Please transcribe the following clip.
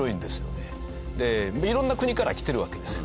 色んな国から来てるわけですよ。